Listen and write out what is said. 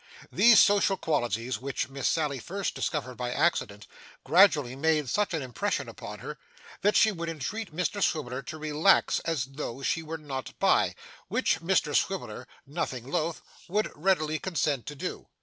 These social qualities, which Miss Sally first discovered by accident, gradually made such an impression upon her, that she would entreat Mr Swiveller to relax as though she were not by, which Mr Swiveller, nothing loth, would readily consent to do.